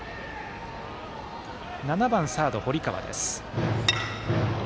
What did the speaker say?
７番サードの堀川です。